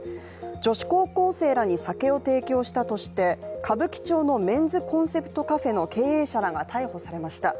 女子高校生らに酒を提供したとして、歌舞伎町のメンズコンセプトカフェの経営者らが逮捕されました。